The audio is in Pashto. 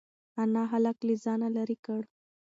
انا هلک له ځانه لرې کړ.